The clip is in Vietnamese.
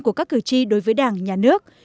các cử tri đối với đảng nhà nước